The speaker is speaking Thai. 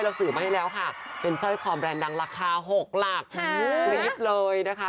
สื่อมาให้แล้วค่ะเป็นสร้อยคอแรนด์ดังราคา๖หลักกรี๊ดเลยนะคะ